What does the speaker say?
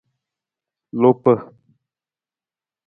Lupa.